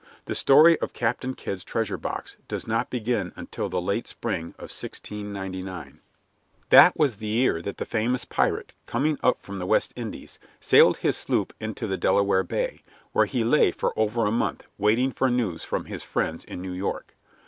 The story of Captain Kidd's treasure box does not begin until the late spring of 1699. That was the year that the famous pirate captain, coming up from the West Indies, sailed his sloop into the Delaware Bay, where he lay for over a month waiting for news from his friends in New York.